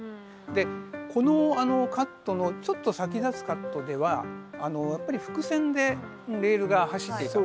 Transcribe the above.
でこのカットのちょっと先立つカットではやっぱり複線でレールが走っていた。